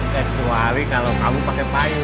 kecuali kalau kamu pakai payung